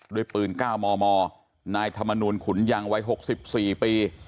ด้วยปืน๙มมนายธรรมนูลขุนยังวัย๖๔ปี